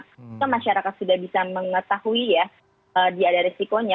kita masyarakat sudah bisa mengetahui ya dia ada resikonya